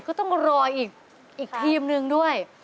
ก็ต้องรออีกทีมนึงด้วย